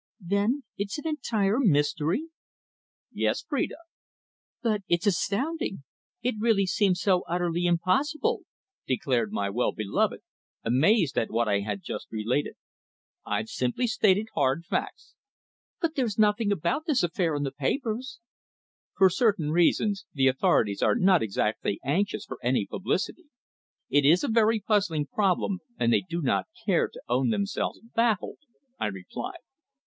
"Then it's an entire mystery?" "Yes, Phrida." "But it's astounding! It really seems so utterly impossible," declared my well beloved, amazed at what I had just related. "I've simply stated hard facts." "But there's been nothing about this affair in the papers." "For certain reasons the authorities are not exactly anxious for any publicity. It is a very puzzling problem, and they do not care to own themselves baffled," I replied.